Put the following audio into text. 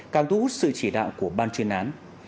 càng thu hút sự chỉ đạo của ban chuyên án